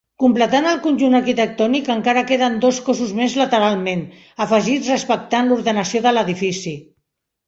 Completant el conjunt arquitectònic encara queden dos cossos més lateralment, afegits respectant l'ordenació de l'edifici.